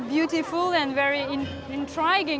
tapi ini sangat menakjubkan